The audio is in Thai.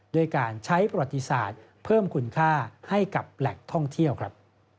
ด้วยการใช้ประวัติศาสตร์เพิ่มคุณค่าให้กับแหล่งท่องเที่ยวครับ